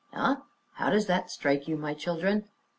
Eh? How does that strike you, my children?"